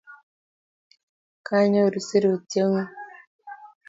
kanyoru serutyeng'ung